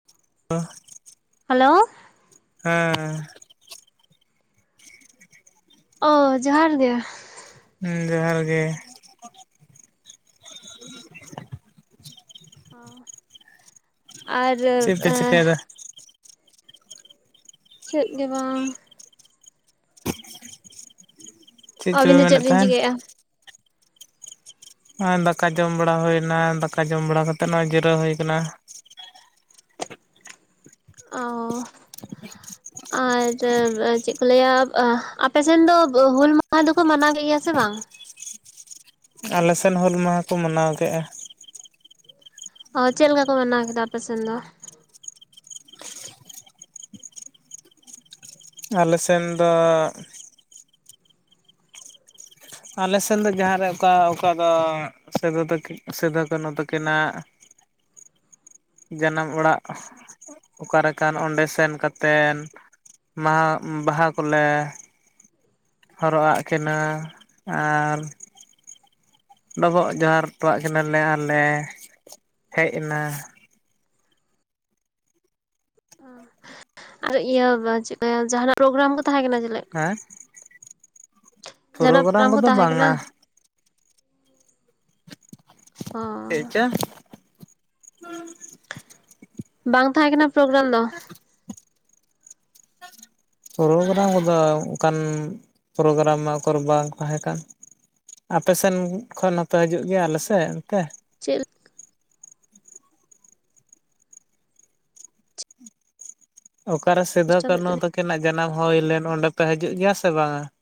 [unintelligible] Hello ᱦᱮᱸ ᱚ ᱡᱚᱦᱟᱨ ᱜᱮ ᱦᱮᱸ ᱡᱚᱦᱟᱨ ᱜᱮ ᱚ [unintelligible] ᱟᱨ ᱮ ᱪᱮᱫ ᱯᱮ ᱪᱤᱠᱟᱹᱭᱮᱫᱟ ᱪᱮᱫ ᱜᱮ ᱵᱟᱝ ᱪᱚᱯᱮ ᱟᱹᱵᱤᱱ ᱫᱚ ᱪᱮᱫ ᱢᱮᱱᱮᱫ ᱵᱤᱱ ᱛᱟᱦᱮᱱ ᱪᱤᱠᱟᱹᱭᱮᱫ-ᱟ? ᱟᱨ ᱫᱟᱠᱟ ᱡᱚᱢ ᱵᱟᱲᱟ ᱦᱩᱭᱮᱱᱟ ᱫᱟᱠᱟ ᱡᱚᱢ ᱵᱟᱲᱟ ᱠᱟᱛᱮᱜ ᱱᱚᱜᱼᱚᱭ ᱡᱤᱨᱟᱹᱣ ᱦᱩᱭ ᱟᱠᱟᱱᱟ᱾ ᱚ [unintelligible] ᱟᱨ ᱪᱮᱫ ᱠᱚ ᱞᱟᱹᱭᱟ ᱟᱯᱮ ᱥᱮᱱ ᱫᱚ ᱦᱩᱞ ᱢᱟᱦᱟ ᱫᱚᱠᱚ ᱢᱟᱱᱟᱣ ᱜᱮᱭᱟ ᱥᱮ ᱵᱟᱝ? ᱟᱞᱮ ᱥᱮᱱ ᱦᱩᱞ ᱢᱟᱦᱟ ᱠᱚ ᱢᱟᱱᱟᱣ ᱠᱮᱜᱼᱟ᱾ ᱚ ᱪᱮᱫ ᱞᱮᱠᱟ ᱠᱚ ᱢᱟᱱᱟᱣ ᱠᱮᱫᱟ ᱟᱯᱮᱥᱮᱱ ᱫᱚ? ᱟᱞᱮ ᱥᱮᱱ ᱫᱚ ᱟᱞᱮ ᱥᱮᱱ ᱫᱚ ᱡᱟᱦᱟᱸ ᱨᱮ ᱚᱠᱟ [unintelligible] ᱫᱚ ᱥᱤᱫᱩ ᱛᱟᱠᱤᱱ ᱥᱤᱫᱩ ᱠᱟᱹᱱᱦᱩ ᱛᱟᱹᱠᱤᱱᱟᱜ [unintelligible] ᱡᱟᱱᱟᱢ ᱚᱲᱟᱜ [unintelligible] ᱚᱠᱟ ᱨᱮ ᱠᱟᱱ ᱚᱸᱰᱮ ᱥᱮᱱ ᱠᱟᱛᱮᱫ [unintelligible] [unintelligible] ᱵᱟᱦᱟ ᱠᱚᱞᱮ ᱦᱚᱨᱚᱜ ᱟᱫ ᱠᱤᱱᱟ ᱟᱨ ᱰᱚᱵᱚᱜ ᱡᱚᱦᱟᱨ ᱦᱚᱴᱚᱣᱟᱜ ᱠᱤᱱᱟᱞᱮ ᱟᱨᱞᱮ [unintelligible] ᱦᱮᱡ ᱮᱱᱟ᱾ ᱦᱚᱸ ᱟᱨ ᱤᱭᱟᱹ [unintelligible] ᱪᱮᱫ ᱠᱚ ᱞᱟᱹᱭᱟ ᱡᱟᱦᱱᱟᱜ ᱯᱨᱳᱜᱨᱟᱢ ᱠᱚ ᱛᱟᱦᱮᱸ ᱠᱟᱱᱟ ᱪᱮᱞᱮ? ᱦᱮᱸ [unintelligible] ᱡᱟᱦᱟᱱᱟᱜ ᱯᱨᱳᱜᱨᱟᱢ ᱠᱚ ᱠᱚᱫᱚ ᱛᱟᱦᱮᱸ ᱠᱟᱱᱟ ᱵᱟᱝᱟ᱾ ᱦᱚᱸ ᱪᱮᱫ? [unintelligible] ᱵᱟᱝ ᱛᱟᱦᱮᱸ ᱠᱟᱱᱟ ᱯᱨᱳᱜᱨᱟᱢ ᱫᱚ? [inaudible] ᱯᱨᱳᱜᱨᱟᱢ ᱠᱚᱫᱚ ᱚᱠᱟᱱ [unintelligible] ᱯᱨᱳᱜᱨᱟᱢ ᱢᱟ ᱩᱠᱩᱨ ᱵᱟᱝ ᱛᱟᱦᱮᱸ ᱠᱟᱱ? ᱟᱯᱮ ᱥᱮᱱ ᱠᱷᱚᱱ ᱱᱚᱛᱮ ᱦᱤᱡᱩᱜ ᱜᱮᱭᱟ ᱟᱞᱮ ᱥᱮᱱ ᱱᱚᱸᱛᱮ? ᱪᱮᱫ? [unintelligible] ᱚᱠᱟᱨᱮ ᱥᱤᱫᱷᱳ ᱰᱤᱥᱴᱟᱵᱮᱫ ᱠᱟᱹᱱᱦᱩ ᱛᱟᱵᱤᱱᱟ ᱛᱟᱠᱤᱱᱟᱜ ᱡᱟᱱᱟᱢ ᱦᱚᱭ ᱞᱮᱱ ᱚᱸᱰᱮ ᱯᱮ ᱦᱟᱡᱩᱜ ᱜᱮᱭᱟ ᱥᱮ ᱵᱟᱝᱼᱟ ᱾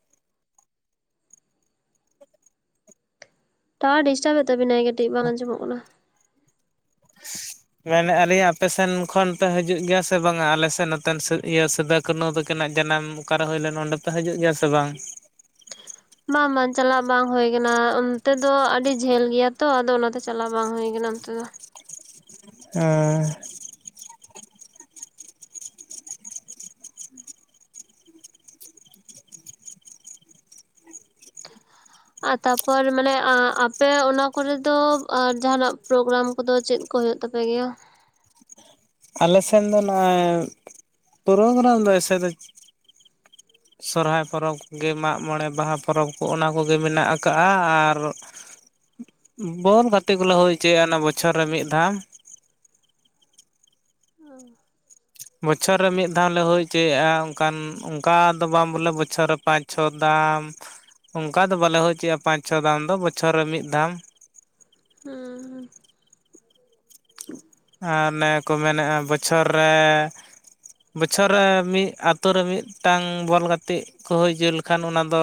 ᱴᱟᱣᱟᱨ ᱰᱤᱥᱴᱟᱵ ᱮᱫ ᱛᱟᱵᱤᱱᱟᱭ ᱠᱟ. ᱴᱤᱡ ᱵᱟᱝ ᱟᱸᱡᱚᱢᱚᱜ ᱠᱟᱱᱟ [unintelligible] ᱢᱮᱱ ᱮᱫᱼᱟ ᱞᱤᱧ ᱟᱯᱮ ᱥᱮᱱ ᱠᱷᱚᱱ ᱯᱮ ᱦᱟᱹᱡᱩᱜ ᱜᱮᱭᱟ ᱥᱮ ᱵᱟᱝᱟ? ᱟᱞᱮ ᱥᱮᱱ ᱱᱚᱛᱮᱱ ᱤᱭᱟᱹ [unintelligible] ᱠᱟᱱᱩ ᱛᱟᱹᱠᱤᱱᱟᱜ ᱡᱟᱱᱟᱢ ᱚᱠᱟᱨᱮ ᱦᱩᱭ ᱞᱮᱱ ᱚᱸᱰᱮ ᱯᱮ ᱦᱟᱡᱩᱜ ᱜᱮᱭᱟ ᱥᱮ ᱵᱟᱝ? ᱵᱟᱝ ᱵᱟᱝ ᱪᱟᱞᱞᱟᱟᱜ ᱵᱟᱝ ᱦᱩᱭᱠ ᱟᱠᱟᱱᱟ ᱵᱟᱸ-ᱵᱟᱸ ᱪᱟᱞᱟᱜ ᱵᱟᱝ ᱦᱳᱭ ᱠᱟᱱᱟ ᱚᱱᱛᱮ ᱫᱚ, ᱟᱹᱰᱤ ᱡᱷᱟᱹᱞ ᱜᱮᱭᱟ ᱛᱚ ᱟᱫᱚ ᱚᱱᱟᱛᱮ ᱪᱟᱞᱟ ᱵᱟᱝ ᱦᱩᱭ ᱠᱟᱱᱟ ᱚᱱᱛᱮ ᱫᱚ᱾ ᱮᱸ [inaudible] ᱟᱨ ᱛᱟᱯᱚᱨ ᱢᱟᱱᱮ ᱟᱸ ᱟᱯᱮ ᱚᱱᱟ ᱠᱚᱨᱮ ᱫᱚ ᱚ ᱡᱟᱦᱟᱸᱱᱟᱜ ᱯᱨᱳᱜᱨᱟᱢ ᱠᱚᱫᱚ ᱪᱮᱫ? ᱠᱚ ᱦᱳᱭᱳᱜ ᱛᱟᱯᱮ ᱜᱮᱭᱟ ᱟᱞᱮ ᱥᱮᱱ ᱫᱚ ᱱᱟᱜ ᱯᱩᱨᱳᱜᱨᱟᱢ ᱫᱚ ᱮᱭᱥᱮ ᱫᱚ [inaudible] ᱥᱚᱨᱦᱟᱭ ᱯᱚᱨᱚᱵᱽ ᱜᱮ ᱢᱟᱜ ᱢᱚᱬᱮ ᱵᱟᱦᱟ ᱯᱚᱨᱚᱵᱽ ᱠᱚ ᱚᱱᱟ ᱠᱚᱜᱮ ᱢᱮᱱᱟᱜ ᱟᱠᱟᱜᱼᱟ ᱟᱨ ᱵᱚᱞ ᱜᱟᱛᱮ ᱠᱚᱞᱮ ᱦᱩᱭ ᱦᱚᱪᱚᱭᱼᱟ ᱚᱱᱟ ᱵᱚᱪᱷᱚᱨ ᱨᱮ ᱢᱤᱫ ᱫᱷᱟᱢ ᱵᱚᱪᱷᱚᱨ ᱨᱮ ᱢᱤᱫ ᱫᱷᱟᱱ ᱞᱮ ᱦᱩᱭ ᱪᱚᱭᱮᱼᱟ, ᱚᱱᱠᱟᱱ ᱚᱱᱠᱟ ᱫᱚ ᱵᱟᱝ ᱵᱚᱞᱮ ᱵᱚᱪᱷᱚᱨ ᱨᱮ ᱯᱟᱸᱪ ᱪᱷᱚ ᱫᱟᱸᱢ ᱚᱱᱠᱟ ᱫᱚ ᱵᱟᱞᱮ ᱦᱩᱭᱪᱚ ᱯᱟᱸᱪ ᱪᱷᱚ ᱫᱷᱟᱱ ᱫᱚ ᱵᱚᱪᱷᱚᱨ ᱨᱮ ᱢᱤᱫ ᱫᱷᱟᱢ ᱦᱩᱸ ᱦᱩᱸ ᱟᱨ ᱱᱮ ᱠᱚ ᱢᱮᱱᱮᱜᱼᱟ ᱵᱚᱪᱷᱚᱨ ᱨᱮ ᱵᱚᱪᱷᱚᱨ ᱨᱮ ᱢᱤᱫ ᱟᱛᱳ ᱨᱮ ᱢᱤᱫᱴᱟᱝ ᱵᱚᱞ ᱜᱟᱛᱮᱜ ᱠᱚ ᱦᱚᱭ ᱪᱚ ᱞᱮᱠᱷᱟᱱ ᱚᱱᱟ ᱫᱚ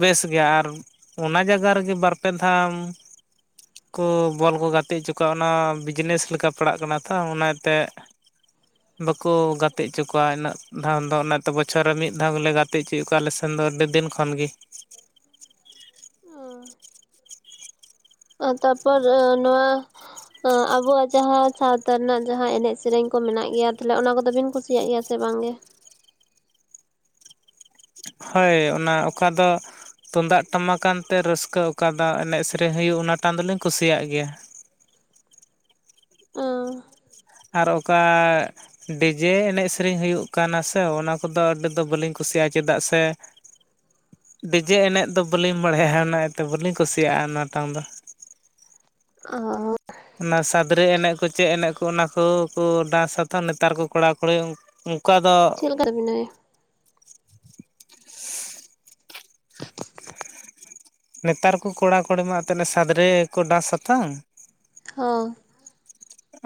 ᱵᱮᱥ ᱜᱮᱭᱟ ᱟᱨ ᱚᱱᱟ ᱡᱟᱜᱟ ᱨᱮᱜᱮ ᱵᱟᱨ ᱯᱮ ᱫᱷᱟᱢ ᱠᱚ ᱵᱚᱞ ᱠᱚ ᱜᱟᱛᱮᱜ ᱚᱪᱚ ᱠᱚᱣᱟ ᱚᱱᱟ ᱵᱤᱡᱽᱱᱮᱥ ᱞᱮᱠᱟ ᱯᱟᱲᱟᱜ ᱠᱟᱱᱟ ᱛᱚ ᱚᱱᱟ ᱤᱛᱮ [inaudible] ᱵᱟᱠᱚ ᱜᱟᱛᱮ ᱚᱪᱚ ᱠᱚᱣᱟ ᱤᱱᱟᱹᱜ ᱫᱷᱟᱱ ᱫᱚ, ᱚᱱᱟᱛᱮ ᱵᱚᱪᱷᱚᱨ ᱨᱮ ᱢᱤᱫ ᱫᱷᱟᱣ ᱜᱮᱞᱮ ᱜᱟᱛᱮ ᱚᱪᱚᱭᱮ ᱠᱚᱣᱟ ᱟᱞᱮ ᱥᱮ [inaudible] ᱫᱚ ᱟᱹᱰᱤ ᱫᱤᱱ ᱠᱷᱚᱱ ᱜᱮ ᱚ ᱛᱟᱯᱚᱨ ᱱᱚᱣᱟ ᱚ ᱟᱵᱚᱣᱟᱜ ᱡᱟᱦᱟᱸ ᱥᱟᱶᱛᱟ ᱨᱮᱱᱟᱜ ᱡᱟᱦᱟᱸ ᱮᱱᱮᱡ ᱥᱮᱨᱮᱧ ᱠᱚ ᱢᱮᱱᱟᱜ ᱜᱮᱭᱟ ᱛᱟᱞᱦᱮ ᱚᱱᱟ ᱠᱚᱫᱚ ᱵᱤᱱ ᱠᱩᱥᱤᱭᱟᱜ ᱜᱮᱭᱟ? ᱥᱮ ᱵᱟᱝᱜᱮ? ᱦᱳᱭ ᱚᱱᱟ ᱚᱠᱟ ᱫᱚ ᱛᱩᱢᱫᱟᱜ ᱴᱟᱢᱟᱠ ᱠᱟᱱᱛᱮ ᱨᱟᱹᱥᱠᱟᱹ ᱚᱠᱟᱫᱟ ᱮᱱᱮᱜ ᱥᱮᱨᱮᱧ ᱦᱩᱭᱩᱜ ᱚᱱᱟ ᱴᱟᱱ ᱫᱚᱞᱤᱧ ᱠᱩᱥᱤᱭᱟᱜ ᱜᱮᱭᱟ᱾ ᱚ ᱟᱨ ᱚᱠᱟ ᱰᱤᱡᱮ ᱮᱱᱮᱡ ᱥᱮᱨᱮᱧ ᱦᱩᱭᱩᱜ ᱠᱟᱱᱟ ᱥᱮ, ᱚᱱᱟ ᱠᱚᱫᱚ ᱟᱹᱰᱤ ᱫᱚ ᱵᱟᱹᱞᱤᱧ ᱠᱩᱥᱤᱭᱟᱜᱼᱟ ᱪᱮᱫᱟᱜ ᱥᱮ [inaudible] ᱰᱤᱡᱮ ᱮᱱᱮᱡ ᱫᱚ ᱵᱟᱹᱞᱤᱧ ᱵᱟᱲᱟᱭᱟ ᱚᱱᱟᱛᱮ ᱵᱟᱹᱞᱤᱧ ᱠᱩᱥᱤᱭᱟᱜᱼᱟ ᱚᱱᱟᱴᱟᱝ ᱫᱚ ᱚ ᱦᱚ ᱻ ᱚᱱᱟ ᱥᱟᱫᱽᱨᱮ ᱮᱱᱮᱜ ᱠᱚ ᱪᱮᱜ ᱮᱱᱮᱜ ᱠᱚ ᱚᱱᱟ ᱠᱚᱠᱚ ᱰᱟᱸᱥ ᱟᱛᱷᱚ ᱱᱮᱛᱟᱨ ᱠᱚ ᱠᱚᱲᱟ-ᱠᱩᱲᱤ ᱩᱸ ᱪᱮᱫ ᱞᱮᱠᱟ [unintelligible] ᱱᱮᱛᱟᱨ ᱠᱚ ᱠᱚᱲᱟ ᱠᱚᱲᱤ ᱢᱟ ᱛᱮᱱ ᱥᱟᱫᱽᱨᱮ ᱠᱚ ᱰᱟᱸᱥᱟ ᱛᱚᱝ ᱦᱚᱸ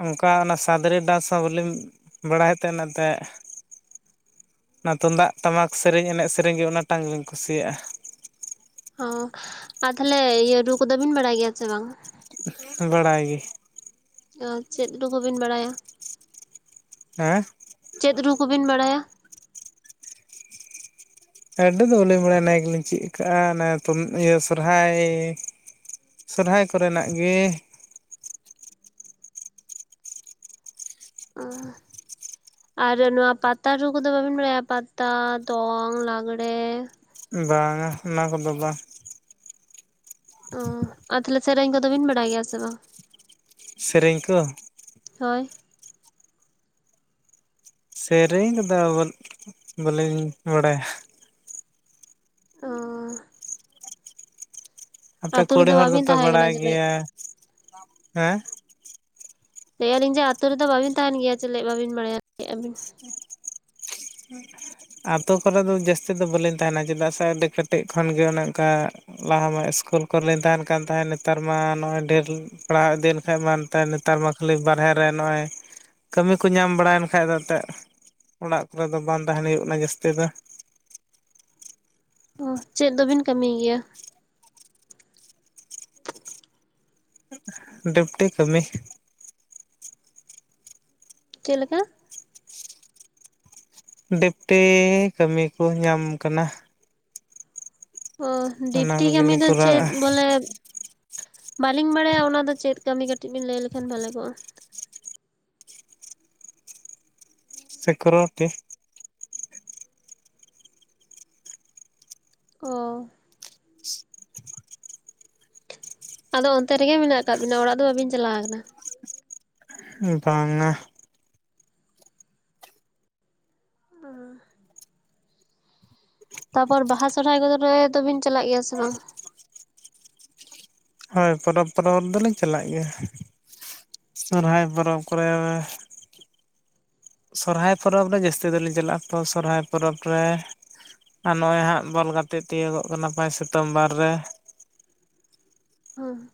ᱚᱱᱠᱟ ᱚᱱᱟ ᱥᱟᱫᱽᱨᱮ ᱰᱟᱸᱥ ᱦᱚᱸ ᱵᱟᱹᱞᱤᱧ ᱵᱟᱲᱟᱭᱮ ᱛᱮ ᱚᱱᱟ ᱛᱩᱢᱫᱟᱜ ᱴᱟᱢᱟᱠ ᱥᱮᱨᱮᱧ ᱮᱱᱮᱡ ᱥᱮᱨᱮᱧ ᱜᱮ ᱚᱱᱟ ᱴᱟᱝᱞᱤᱧ ᱠᱩᱥᱤᱭᱟᱜᱼᱟ᱾ ᱚ ᱟᱨ ᱛᱟᱦᱞᱮ ᱤᱭᱟᱹ ᱨᱩ ᱠᱚᱫᱚ ᱵᱤᱱ ᱵᱟᱲᱟᱭ ᱜᱮᱭᱟ ᱥᱮ ᱵᱟᱝ? ᱵᱟᱲᱟᱟᱭ ᱜᱮ ᱚ ᱪᱮᱫ ᱨᱩ ᱠᱚᱵᱮᱱ ᱵᱟᱲᱟᱭᱟ? ᱦᱮᱸ ᱪᱮᱫ ᱨᱩ ᱠᱚ ᱵᱤᱱ ᱵᱟᱲᱟᱭᱟ? ᱟᱹᱰᱤ ᱫᱚ ᱵᱟᱹᱞᱤᱧ ᱵᱟᱲᱟᱭᱟ ᱱᱮ ᱜᱮᱞᱤᱧ ᱪᱮᱫ ᱠᱟᱜᱼᱟ᱾ ᱚᱱᱟ ᱫᱚ ᱤᱭᱟᱹ ᱥᱚᱨᱦᱟᱭ ᱥᱚᱨᱚᱦᱟᱭ ᱠᱚᱨᱮᱱᱟᱜ ᱜᱮ ᱟᱨ ᱱᱚᱣᱟ ᱯᱟᱛᱟ ᱨᱩ ᱠᱚᱫᱚ ᱵᱟᱵᱤᱱ ᱵᱟᱲᱟᱭᱟ? ᱯᱟᱛᱟ ᱫᱚᱝ ᱞᱟᱸᱜᱽᱲᱮ ᱵᱟᱝ-ᱟ ᱚᱱᱟ ᱠᱚᱫᱚ ᱵᱟᱝ ᱚ ᱟᱨ ᱛᱟᱦᱞᱮ ᱥᱮᱨᱮᱧ ᱠᱚᱫᱚ ᱵᱤᱱ ᱵᱟᱲᱟᱭ ᱜᱮᱭᱟ ᱥᱮ ᱵᱟᱝ? ᱥᱮᱨᱮᱧ ᱠᱚ ᱦᱳᱭ, ᱥᱮᱨᱮᱧ ᱠᱚᱫᱚ ᱵᱟᱹᱞᱤᱧ ᱵᱟᱲᱟᱭᱟ᱾ ᱚᱻ ᱟᱯᱮ ᱟᱛᱳ ᱠᱩᱲᱤ ᱨᱮᱫᱚ ᱦᱚᱲ ᱵᱟᱵᱤᱱ ᱫᱚᱯᱮ ᱛᱟᱦᱮᱸ ᱵᱟᱲᱟᱭ ᱠᱟᱱᱟ ᱪᱮᱞᱮᱫ ᱜᱮᱭᱟᱻ ᱦᱮᱸ, ᱞᱟᱹᱭ ᱟᱞᱤᱧ ᱡᱮ ᱟᱹᱛᱩ ᱨᱮᱫᱚ ᱵᱟᱹᱵᱤᱱ ᱛᱟᱦᱮᱱ ᱜᱮᱭᱟ᱾ ᱪᱮᱫ ᱵᱟᱵᱤᱱ ᱵᱟᱲᱟᱭᱟᱜᱼᱟ ᱞᱟᱹᱭ ᱟᱵᱤᱱ? [unintelligible] ᱟᱹᱛᱳ ᱠᱚᱨᱮᱫ ᱫᱚ ᱡᱟᱹᱥᱛᱤ ᱫᱚ ᱵᱟᱹᱞᱤᱧ ᱛᱟᱦᱮᱱᱟ᱾ ᱪᱮᱫᱟᱜ ᱥᱮ ᱟᱹᱰᱤ ᱠᱟᱹᱴᱤᱡ ᱠᱷᱚᱱᱜᱮ ᱚᱱᱮ ᱚᱱᱠᱟ ᱞᱟᱦᱟ ᱢᱟ ᱤᱥᱠᱩᱞ ᱠᱚᱨᱮ ᱞᱤᱧ ᱛᱟᱦᱮᱱ ᱠᱟᱱ ᱛᱟᱦᱮᱸᱫ᱾ ᱱᱮᱛᱟᱨ ᱢᱟ ᱱᱚᱜᱼᱚᱭ ᱰᱷᱮᱨ ᱯᱟᱲᱦᱟᱣ ᱤᱫᱤᱭᱮᱱ ᱠᱷᱟᱡ ᱢᱟ ᱮᱱᱛᱮ ᱱᱮᱛᱟᱨ ᱢᱟ ᱠᱷᱟᱹᱞᱤ ᱵᱟᱨᱦᱮ ᱨᱮ ᱱᱚᱜᱼᱚᱭ ᱠᱟᱹᱢᱤ ᱠᱚ ᱧᱟᱢ ᱵᱟᱲᱟᱭᱮᱱ ᱠᱷᱟᱡ ᱫᱚ᱾ ᱮᱱᱛᱮᱫ ᱚᱲᱟᱜ ᱠᱚᱨᱮ ᱫᱚ ᱵᱟᱝ ᱛᱟᱦᱮᱱ ᱦᱩᱭᱩᱜ ᱠᱟᱱᱟ ᱡᱟᱹᱥᱛᱤ ᱫᱚ᱾ ᱚ ᱪᱮᱫ ᱫᱚᱵᱤᱱ ᱠᱟᱹᱢᱤᱭ ᱜᱮᱭᱟ? ᱰᱤᱯᱴᱤ ᱠᱟᱹᱢᱤ, ᱪᱮᱫ ᱞᱮᱠᱟ? ᱰᱤᱯᱴᱤᱻ ᱠᱟᱹᱢᱤ ᱠᱚ ᱧᱟᱢ ᱠᱟᱱᱟᱹ ᱾ ᱚᱻ ᱚᱱᱟ ᱰᱤᱯᱴᱤ ᱠᱟᱹᱢᱤ ᱠᱚᱜᱮᱞᱤᱧ ᱫᱚ ᱪᱮᱫ? ᱠᱚᱨᱟᱣᱮᱫᱼᱟ ᱵᱚᱞᱮ ᱵᱟᱹᱞᱤᱧ ᱵᱟᱲᱟᱭᱟ ᱚᱱᱟᱫᱚ ᱪᱮᱫ ᱠᱟᱹᱢᱤ? ᱠᱟᱹᱴᱤᱡ ᱵᱤᱱ ᱞᱟᱹᱭ ᱞᱮᱠᱷᱟᱱ ᱵᱷᱟᱜᱮ ᱠᱚᱜᱼᱟ᱾ ᱥᱮᱠᱨᱚᱴᱤ, ᱚᱻ ᱟᱫᱚ ᱚᱱᱛᱮ ᱨᱮᱜᱮ ᱢᱮᱱᱟᱜ ᱟᱠᱟᱫ ᱵᱤᱱᱟ᱾ ᱚᱲᱟᱜ ᱫᱚ ᱵᱟᱵᱤᱱ ᱪᱟᱞᱟᱣ ᱟᱠᱟᱱᱟ᱾ ᱵᱟᱝ-ᱟ, ᱟᱻ ᱛᱟᱯᱚᱨ ᱵᱟᱦᱟ ᱥᱚᱨᱚᱦᱟᱭ ᱠᱚᱫᱚ ᱨᱮ ᱛᱚᱵᱤᱱ ᱪᱟᱞᱟᱜ ᱜᱮᱭᱟ ᱥᱮ ᱵᱟᱝ? [unintelligible] ᱦᱳᱭ ᱯᱚᱨᱚᱵᱽ ᱯᱚᱨᱚᱵᱽ ᱨᱮ ᱫᱚᱞᱤᱧ ᱪᱟᱞᱟᱜ ᱜᱮᱭᱟ᱾ ᱥᱚᱨᱦᱟᱭ ᱯᱚᱨᱚᱵᱽ ᱠᱚᱨᱮ, ᱥᱚᱨᱦᱟᱭ ᱯᱚᱨᱚᱵᱽ ᱨᱮ ᱡᱟᱹᱥᱛᱤ ᱫᱚᱞᱤᱧ ᱪᱟᱞᱟᱜᱼᱟ᱾ ᱛᱚ ᱥᱚᱨᱦᱟᱭ ᱯᱚᱨᱚᱵᱽ ᱨᱮ ᱟᱨ ᱱᱚᱜᱼᱚᱭ ᱦᱟᱸᱜ ᱵᱚᱞ ᱜᱟᱛᱮᱜ ᱛᱤᱭᱳᱜᱚᱜ ᱠᱟᱱᱟ᱾ ᱯᱟᱭ ᱥᱤᱛᱳᱢᱵᱚᱨ ᱨᱮ ᱦᱚᱸ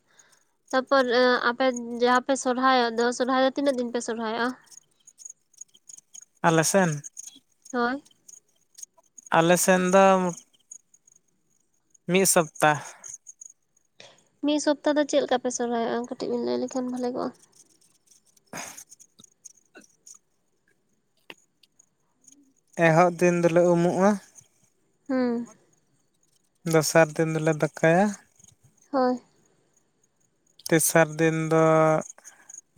ᱛᱟᱯᱚᱨ ᱟᱯᱮ ᱡᱟᱦᱟᱸ ᱯᱮ ᱥᱚᱨᱦᱟᱭᱚᱜ ᱫᱚ ᱥᱚᱨᱦᱟᱭ ᱫᱚ ᱛᱤᱱᱟᱹᱜ ᱫᱤᱱ ᱯᱮ ᱥᱚᱨᱦᱟᱭᱚᱜᱼᱟ? ᱟᱞᱮ ᱥᱮᱱ, ᱦᱳᱭ ᱟᱞᱮᱥᱮᱱ ᱫᱚ ᱢᱤᱫ ᱥᱚᱯᱛᱟᱹ᱾ ᱢᱤᱫ ᱥᱚᱯᱛᱟᱦ ᱫᱚ ᱪᱮᱫ ᱞᱮᱠᱟ ᱯᱮ ᱥᱚᱨᱦᱟᱭᱚᱜᱼᱟ? ᱠᱟᱹᱴᱤᱡ ᱵᱮᱱ ᱞᱟᱹᱭ ᱞᱮᱠᱷᱟᱱ ᱵᱷᱷᱟᱮ ᱠᱚᱜᱼᱟ᱾ ᱮᱦᱚᱵ ᱫᱤᱱ ᱫᱚᱞᱮ ᱩᱢᱩᱜᱼᱟ ᱦᱮᱸ ᱫᱚᱥᱟᱨ ᱫᱤᱱ ᱫᱚᱞᱮ ᱫᱟᱠᱟᱭᱟ ᱦᱳᱭ ᱛᱮᱥᱟᱨ ᱫᱤᱱ ᱫᱚ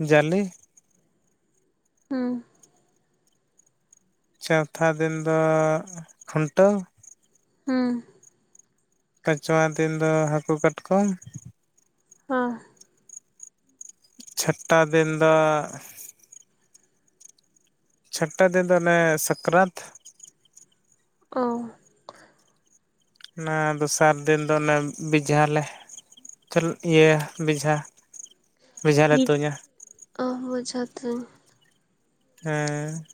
ᱡᱟᱞᱮ ᱦᱩᱸ ᱪᱣᱛᱷᱟ ᱫᱤᱱ ᱫᱚ ᱠᱷᱩᱱᱴᱟᱹᱣ ᱦᱮᱸ ᱯᱟᱸᱪᱣᱟ ᱫᱤᱱ ᱫᱚ ᱦᱟᱹᱠᱩ ᱠᱟᱴᱠᱚᱢ ᱦ ᱪᱷᱟᱹᱴᱴᱟ ᱫᱤᱱ ᱫᱚ ᱪᱷᱟᱹᱴᱴᱟ ᱫᱤᱱ ᱫᱚ ᱚᱱᱮ ᱥᱟᱠᱨᱟᱛ᱾ ᱚ ᱚᱱᱟ ᱫᱚᱥᱟᱨ ᱫᱤᱱ ᱫᱚ ᱚᱱᱮ ᱵᱮᱡᱷᱟᱞᱮ ᱪ ᱤᱭᱟᱹ ᱵᱮᱡᱷᱟ ᱵᱮᱡᱷᱟ ᱞᱮ ᱛᱩᱧᱟᱹ ᱟ ᱵᱚᱡᱷᱟ ᱛᱩᱧ ᱦᱮᱸ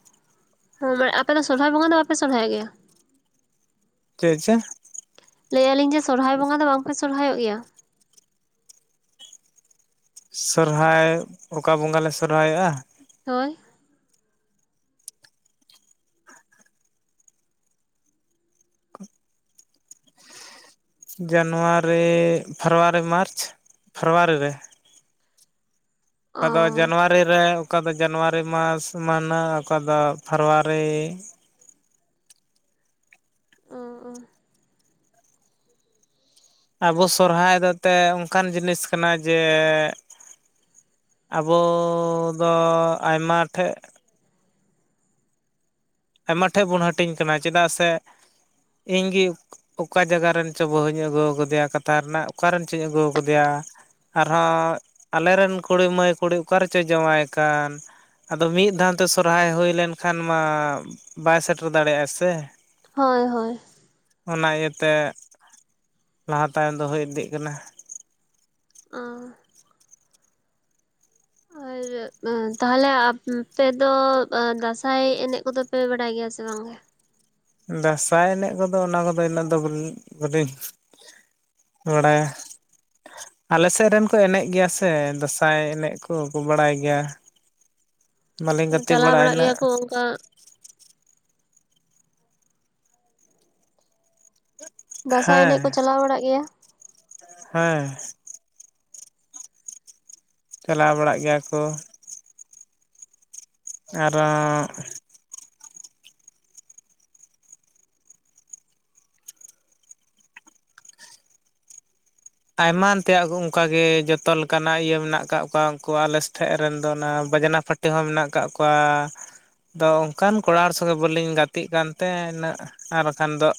ᱦᱸ ᱢᱟᱱᱮ ᱟᱯᱮ ᱫᱚ ᱥᱚᱨᱦᱟᱭ ᱵᱚᱸᱜᱟ ᱫᱚ ᱵᱟᱯᱮ ᱥᱚᱨᱦᱟᱭᱚ ᱜᱮᱭᱟ ᱪᱮᱫᱪᱮᱫ ᱞᱟᱹᱭᱟᱟᱹᱞᱤᱧ ᱡᱮ ᱥᱚᱨᱦᱟᱭ ᱵᱚᱸᱜᱟ ᱫᱚ ᱵᱟᱝᱯᱮ ᱥᱚᱨᱦᱟᱭᱚᱜ ᱜᱮᱭᱟ ᱥᱚᱨᱦᱟᱭ ᱚᱠᱟ ᱵᱚᱸᱜᱟ ᱞᱮ ᱥᱚᱨᱚᱨᱟᱭᱚᱜᱼᱟ ᱦᱳᱭ ᱡᱟᱱᱩᱣᱟᱨᱤ ᱯᱷᱮᱵᱽᱨᱣᱟᱨᱤ ᱢᱟᱨᱪ ᱯᱷᱮᱵᱽᱨᱩᱣᱟᱨᱤ ᱨᱮ ᱚ ᱚᱠᱟ ᱫᱚ ᱡᱟᱱᱣᱟᱨᱤ ᱨᱮ ᱚᱠᱟ ᱫᱚ ᱡᱟᱱᱩᱣᱟᱨᱤ ᱢᱟᱥ ᱢᱟᱹᱦᱱᱟᱹ ᱚᱠᱟ ᱫᱚ ᱯᱷᱮᱵᱽᱨᱣᱟᱨᱤ [unintelligible] ᱟᱵᱚ ᱥᱚᱨᱦᱟᱭ ᱫᱚ ᱮᱛᱮ ᱚᱱᱠᱟᱱ ᱡᱤᱱᱤᱥ ᱠᱟᱱᱟ ᱡᱮ ᱟᱵᱚᱫᱚ ᱟᱭᱢᱟ ᱴᱷᱮᱡ ᱟᱭᱢᱟ ᱴᱷᱮᱱ ᱵᱚᱱ ᱦᱟᱹᱴᱤᱧ ᱠᱟᱱᱟ ᱪᱮᱫᱟᱜ ᱥᱮ ᱤᱧ ᱜᱮ ᱚᱠᱟ ᱡᱟᱭᱜᱟ ᱨᱮᱱ ᱪᱚ ᱵᱟᱹᱦᱩᱧ ᱟᱹᱜᱩ ᱟᱠᱟᱫᱮᱭᱟ ᱠᱟᱛᱷᱟ ᱨᱮᱱᱟᱜ ᱚᱠᱟᱨᱮᱱ ᱪᱚᱧ ᱟᱹᱜᱩ ᱟᱠᱟᱫᱮᱭᱟ ᱟᱨᱦᱚᱸ ᱟᱞᱮᱨᱮᱱ ᱠᱩᱲᱤ ᱢᱟᱹᱭ ᱠᱩᱲᱤ ᱚᱠᱟ ᱨᱮᱪᱚᱭ ᱡᱟᱶᱟᱭ ᱠᱟᱱ ᱟᱫᱚ ᱢᱤᱫ ᱫᱷᱟᱣᱛᱮ ᱥᱚᱨᱦᱟᱭ ᱦᱩᱭ ᱞᱮᱱᱠᱷᱟᱱ ᱢᱟ ᱵᱟᱭ ᱥᱮᱴᱮᱨ ᱫᱟᱲᱮᱭᱟᱜᱼᱟ ᱥᱮ ᱦᱳᱭ ᱦᱳᱭ ᱚᱱᱟ ᱤᱭᱟᱹᱛᱮ ᱞᱟᱦᱟ ᱛᱟᱭᱚᱢ ᱫᱚ ᱦᱩᱭ ᱤᱫᱤᱜ ᱠᱟᱱᱟ [unintelligible] [unintelligible] ᱛᱟᱦᱚᱞᱮ ᱟᱯᱮ ᱫᱚ ᱫᱟᱸᱥᱟᱭ ᱮᱱᱮᱡ ᱠᱚᱫᱚ ᱯᱮ ᱵᱟᱲᱟᱭ ᱜᱮᱭᱟ ᱥᱮ ᱵᱟᱝ ᱜᱮ ᱫᱟᱸᱥᱟᱭ ᱮᱱᱮᱡ ᱠᱚᱫᱚ ᱚᱱᱟ ᱠᱚᱫᱚ ᱤᱱᱟᱹᱜ ᱫᱚ ᱵᱞᱤᱧ ᱵᱟᱰᱟᱭᱟ ᱟᱞᱮ ᱥᱮᱫ ᱨᱮᱱ ᱠᱚ ᱮᱱᱮᱡ ᱜᱮᱭᱟ ᱥᱮ ᱫᱟᱸᱥᱟᱭ ᱮᱱᱮᱡ ᱠᱚᱠᱚ ᱵᱟᱲᱟᱭ ᱜᱮᱭᱟ ᱵᱟᱹᱞᱤᱧ ᱜᱟᱛᱮ ᱪᱟᱞᱟᱣ ᱵᱟᱲᱟᱜᱼᱟ ᱵᱟᱲᱟᱜ ᱤᱱᱟᱹᱜ ᱜᱮᱭᱟ ᱠᱚ ᱚᱱᱠᱟ ᱫᱟᱸᱥᱟᱭ ᱮᱱᱮᱡ ᱠᱚ ᱦᱮᱸ ᱪᱟᱞᱟᱣ ᱵᱟᱲᱟᱜ ᱜᱮᱭᱟ ᱦᱮᱸ ᱪᱟᱞᱟᱣ ᱵᱟᱲᱟᱜ ᱜᱮᱭᱟ ᱠᱚ ᱟᱨᱚ ᱟᱭᱟᱱ ᱛᱮᱭᱟᱜ ᱚᱱᱠᱟᱜ ᱜᱮ ᱡᱚᱛᱚ ᱞᱮᱠᱟᱱᱟᱜ ᱤᱭᱟᱹ ᱢᱮᱱᱟᱜ ᱟᱠᱟᱫ ᱠᱚᱣᱟ ᱩᱱᱠᱩ ᱟᱞᱮ ᱥᱮᱫ ᱨᱮᱱ ᱫᱚ ᱚᱱᱟ ᱵᱟᱡᱽᱱᱟ ᱯᱷᱟᱴᱤ ᱛᱮᱦᱚᱸ ᱢᱮᱱᱟᱜ ᱟᱠᱟᱜ ᱠᱚᱣᱟ ᱟᱫᱚ ᱚᱱᱠᱟᱱ ᱠᱚᱲᱟ ᱦᱚᱲ ᱥᱚᱸᱜᱮ ᱵᱞᱤᱧ ᱜᱟᱛᱮᱜ ᱠᱟᱱᱛᱮ ᱩᱱᱟᱹᱜ ᱟᱨ ᱵᱟᱠᱷᱟᱱ ᱫᱚ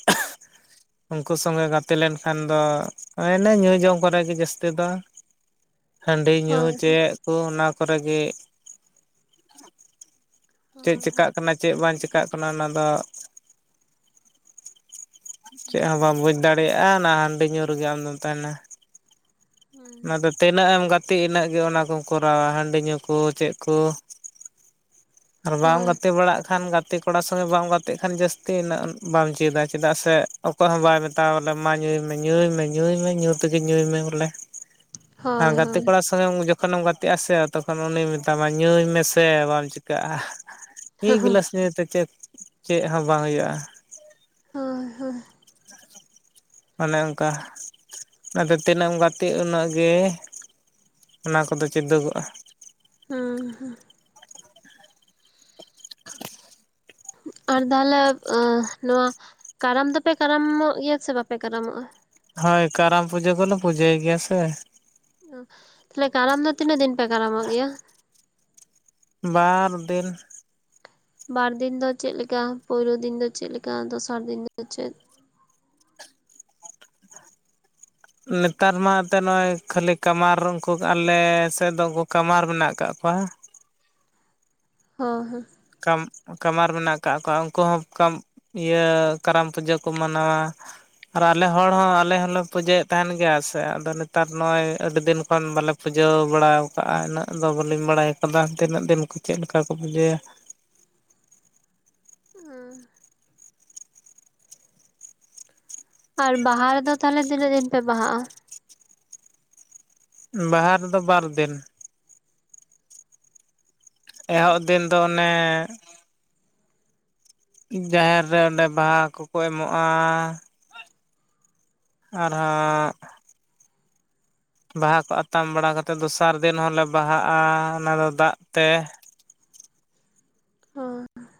ᱩᱱᱠᱩ ᱥᱚᱸᱜᱮ ᱜᱟᱛᱮ ᱞᱮᱱᱠᱷᱟᱱ ᱫᱚ ᱢᱟᱱᱮ ᱧᱩ ᱡᱚᱢ ᱠᱚᱨᱮ ᱜᱮ ᱡᱟᱹᱥᱛᱤ ᱫᱚ ᱦᱟᱺᱰᱤ ᱧᱩ ᱦᱳᱭ ᱪᱮᱫ ᱠᱚ ᱚᱱᱟ ᱠᱚᱨᱮ ᱜᱮ ᱪᱮᱫ ᱦᱳᱭ ᱪᱤᱠᱟᱹᱜ ᱦᱳᱭ ᱠᱟᱱᱟ ᱪᱮᱫ ᱵᱟᱝ ᱪᱤᱠᱟᱹᱜ ᱠᱟᱱᱟ ᱚᱱᱟᱫᱚ ᱪᱮᱫ ᱦᱚᱸ ᱵᱟᱢ ᱵᱩᱡ ᱫᱟᱲᱮᱭᱟᱜᱼᱟ ᱚᱱᱟ ᱦᱟᱺᱰᱤ ᱧᱩ ᱨᱮᱜᱮ ᱟᱢᱫᱚᱢ ᱛᱟᱦᱮᱱᱟ ᱚᱱᱟᱫᱚ ᱛᱤᱱᱟᱹᱜ ᱮᱢ ᱜᱟᱛᱮᱜ ᱤᱱᱟᱹᱜ ᱜᱮ ᱚᱱᱟ ᱠᱚᱢ ᱠᱚᱨᱟᱣᱟ ᱦᱟᱺᱰᱤ ᱧᱩ ᱠᱚ ᱪᱮᱫ ᱠᱚ ᱟᱨ ᱵᱟᱢ ᱦᱳᱭ ᱜᱟᱛᱮ ᱵᱟᱲᱟᱜ ᱠᱷᱟᱱ ᱜᱟᱛᱮ ᱜᱟᱛᱮ ᱠᱚᱲᱟ ᱥᱚᱸᱜᱮ ᱵᱟᱢ ᱜᱟᱛᱮᱜ ᱠᱷᱟᱱ ᱡᱟᱹᱥᱛᱤ ᱩᱱᱟᱹᱜ ᱵᱟᱢ ᱪᱮᱫᱟ ᱪᱮᱫᱟᱜ ᱥᱮ ᱚᱠᱚᱭ ᱦᱚᱸ ᱵᱟᱭ ᱢᱮᱛ ᱛᱟᱣ ᱵᱚᱞᱮ ᱢᱟ ᱧᱩᱭᱢᱮ ᱧᱩᱭ ᱢᱮ ᱧᱩᱭᱢᱮ ᱧᱩ ᱛᱮᱜᱮ ᱧᱩᱭ ᱢᱮ ᱵᱚᱞᱮ [inaudible] ᱟᱨ ᱜᱟᱛᱮ ᱦᱳᱭ ᱠᱚᱲᱟ ᱥᱚᱸᱜᱮ ᱡᱚᱠᱷᱚᱱᱮᱢ ᱜᱟᱛᱮᱜ ᱟᱥᱮ ᱛᱚᱠᱷᱚᱱ ᱩᱱᱤ ᱢᱮᱛᱟᱢᱟ ᱧᱩᱭ ᱢᱮᱥᱮ ᱵᱟᱢ ᱪᱤ ᱪᱤᱠᱟᱹᱜᱼᱟ ᱢᱤᱫ ᱜᱞᱟᱥ ᱱᱤᱭᱟᱹᱛᱮ ᱪᱮᱫ ᱪᱮᱫ ᱦᱚᱸ ᱵᱟᱝ ᱦᱩᱭᱩᱜᱼᱟ ᱦᱳᱭ ᱦᱳᱭ ᱚᱱᱮ ᱚᱱᱠᱟ ᱟᱛᱮ ᱛᱤᱱᱟᱹᱜ ᱮᱢ ᱜᱟᱛᱮᱜ ᱩᱱᱟᱹᱜ ᱜᱮ ᱚᱱᱟ ᱠᱚᱫᱚ ᱪᱮᱫᱟᱹᱜᱚᱜᱼᱟ ᱦᱸ [inaudible] ᱟᱨ ᱛᱟᱦᱚᱞᱮ ᱱᱚᱣᱟ ᱠᱟᱨᱟᱢ ᱫᱚᱯᱮ ᱠᱟᱨᱟᱢᱚᱜ ᱜᱮᱭᱟ ᱥᱮ ᱵᱟᱯᱮ ᱠᱟᱨᱟᱢᱚᱜᱼᱟ ᱦᱳᱭ ᱠᱟᱨᱟᱢ ᱯᱩᱡᱟᱹ ᱠᱚᱞᱮ ᱯᱩᱡᱟᱹᱭ ᱜᱮᱭᱟ ᱥᱮ ᱛᱟᱦᱞᱮ ᱠᱟᱨᱟᱢ ᱫᱚ ᱛᱤᱱᱟᱹᱜ ᱫᱤᱱ ᱯᱮ ᱠᱟᱨᱟᱢᱚᱜ ᱜᱮᱭᱟ ᱵᱟᱨ ᱫᱤᱱ ᱵᱟᱨ ᱫᱤᱱ ᱫᱚ ᱪᱮᱫ ᱞᱮᱠᱟ ᱯᱩᱭᱞᱳ ᱫᱤᱱ ᱫᱚ ᱪᱮᱫᱞ ᱞᱮᱠᱟ ᱫᱚᱥᱟᱨ ᱫᱤᱱ ᱫᱚ ᱪᱮᱫ ᱱᱮᱛᱟᱨ ᱢᱟ ᱮᱱᱛᱮ ᱱᱚᱜᱼᱚᱭ ᱠᱷᱟᱹᱞᱤ ᱠᱟᱢᱟᱨ ᱩᱱᱠᱩ ᱟᱞᱮ ᱥᱮᱫ ᱫᱚ ᱩᱱᱠᱩ ᱠᱟᱢᱟᱨ ᱢᱮᱱᱟᱜ ᱟᱠᱟᱫ ᱠᱚᱣᱟ ᱦ ᱦᱮᱸ ᱠᱟᱢ ᱠᱟᱢᱟᱨ ᱢᱮᱱᱟᱜ ᱟᱠᱟᱫ ᱠᱚᱣᱟ ᱩᱱᱠᱩ ᱦᱚᱸ ᱤᱭᱟᱹ ᱠᱟᱨᱟᱢ ᱯᱩᱡᱟᱹ ᱠᱚ ᱢᱟᱱᱟᱣᱟ ᱟᱨ ᱟᱞᱮ ᱦᱚᱲ ᱦᱚᱸ ᱟᱞᱮ ᱦᱚᱸᱞᱮ ᱯᱩᱡᱟᱹᱭᱮᱫ ᱛᱟᱦᱮᱱ ᱜᱮᱭᱟ ᱥᱮ ᱟᱫᱚ ᱱᱮᱛᱟᱨ ᱱᱚᱜ-ᱚᱭ ᱟᱹᱰᱤ ᱫᱤᱱ ᱠᱷᱚᱱ ᱵᱟᱞᱮ ᱯᱩᱡᱟᱹ ᱵᱟᱲᱟ ᱠᱟᱜᱼᱟ ᱤᱱᱟᱹᱜ ᱫᱚ ᱵᱟᱹᱞᱤᱧ ᱵᱟᱲᱟᱭ ᱠᱟᱫᱟ ᱛᱤᱱᱟᱹᱜ ᱫᱤᱱ ᱠᱚ ᱪᱮᱫ ᱞᱮᱠᱟ ᱠᱚ ᱯᱩᱡᱟᱹᱭᱟ ᱦ [unintelligible] ᱟᱨ ᱵᱟᱦᱟ ᱨᱮᱫᱚ ᱛᱟᱦᱚᱞᱮ ᱛᱤᱱᱟᱹᱜ ᱫᱤᱱ ᱯᱮ ᱵᱟᱦᱟᱜᱼᱟ ᱵᱟᱦᱟ ᱨᱮᱫᱚ ᱵᱟᱨᱫᱤᱱ ᱮᱦᱚᱵ ᱫᱤᱱ ᱫᱚ ᱚᱱᱮᱸ ᱡᱟᱦᱮᱨ ᱨᱮ ᱚᱸᱰᱮ ᱵᱟᱦᱟ ᱠᱚᱠᱚ ᱮᱢᱚᱜᱼᱟ ᱟᱨᱦᱚᱸ ᱵᱟᱦᱟ ᱠᱚ ᱟᱛᱟᱝ ᱵᱟᱲᱟ ᱠᱟᱛᱮ ᱫᱚᱥᱟᱨ ᱫᱤᱱ ᱦᱚᱞᱮ ᱵᱟᱦᱟᱜᱼᱟ ᱚᱱᱟ ᱫᱚ ᱫᱟᱜ ᱛᱮ ᱟᱨ [unintelligible]